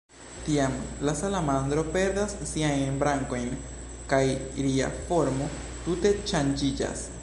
Tiam, la salamandro perdas siajn brankojn, kaj ria formo tute ŝanĝiĝas.